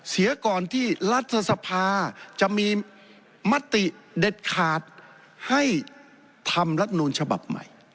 เสียก่อนที่รัฐสภาจะมีมติเด็ดขาดให้ทำรัฐนูลฉบับใหม่